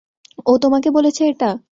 ও তোমাকে বলেছে এটা?